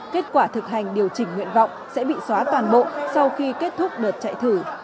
kết quả thực hành điều chỉnh nguyện vọng sẽ bị xóa toàn bộ sau khi kết thúc đợt chạy thử